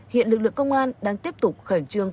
hiện lực lượng công an đang tiếp tục khẩn trương